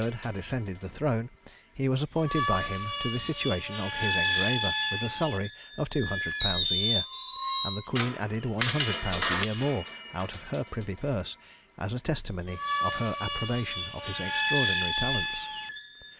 had ascended the throne, he was appointed by him to the situation of his engraver, with a salary of two hundred pounds a year; and the queen added one hundred pounds a year more out of her privy purse, as a testimony of her approbation of his extraordinary talents.